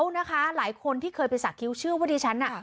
นะคะหลายคนที่เคยไปสักคิ้วเชื่อว่าดิฉันน่ะ